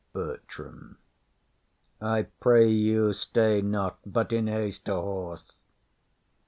BERTRAM. I pray you, stay not, but in haste to horse.